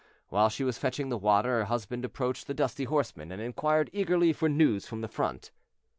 While she was fetching the water her husband approached the dusty horseman and inquired eagerly for news from the front.